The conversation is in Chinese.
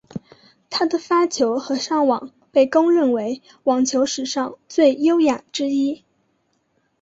他的发球和上网被公认为网球史上最优雅之一。